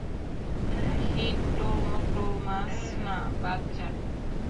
হিটটোটোমাস না, বাচ্চা।